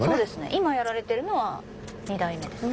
今やられているのは二代目ですね。